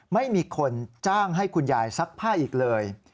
ไม่มีคนจ้างให้คุณยายซักผ้าอีกเลย